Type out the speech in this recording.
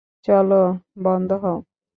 চলো বন্ধ হও।